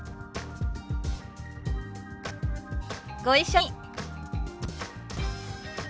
ご一緒に。